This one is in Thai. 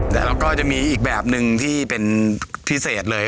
แล้วก็จะมีอีกแบบหนึ่งที่เป็นพิเศษเลย